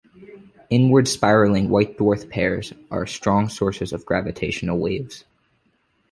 Inward spiraling white dwarf pairs are strong sources of gravitational waves.